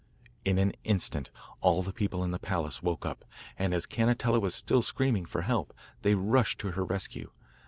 In an instant all the people in the palace woke up, and as Cannetella was still screaming for help, they rushed to her rescue.